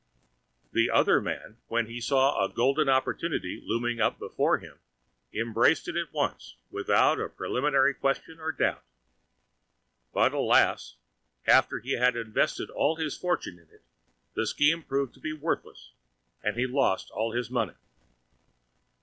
The Other Man, when he saw a Golden Opportunity Looming Up Before him, Embraced it at once, without a Preliminary Question or Doubt. But alas! after he had Invested all his Fortune in it, the Scheme proved to be Worthless, and he Lost all his Money.